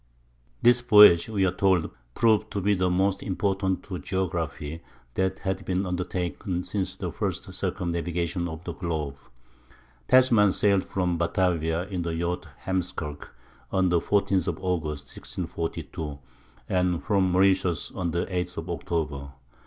"This voyage," we are told, "proved to be the most important to geography that had been undertaken since the first circumnavigation of the globe." Tasman sailed from Batavia in the yacht Heemskirk, on the 14th of August, 1642, and from Mauritius on the 8th of October.